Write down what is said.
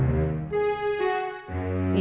bisa nunggu di rumah